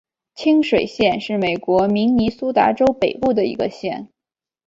清水县是美国明尼苏达州北部的一个县。